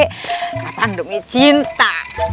katan demi cinta